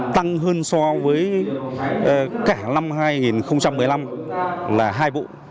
tăng hơn so với cả năm hai nghìn một mươi năm là hai vụ